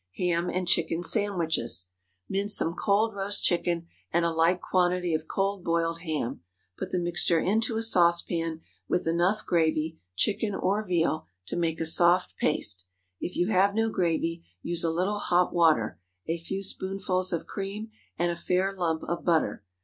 HAM AND CHICKEN SANDWICHES. Mince some cold roast chicken, and a like quantity of cold boiled ham. Put the mixture into a saucepan, with enough gravy—chicken or veal—to make a soft paste. If you have no gravy, use a little hot water, a few spoonfuls of cream, and a fair lump of butter.